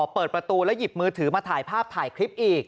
เปิดประตูแล้วหยิบมือถือมาถ่ายภาพถ่ายคลิปอีก